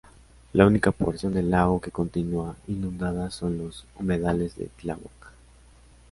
La única porción del lago que continúa inundada son los humedales de Tláhuac.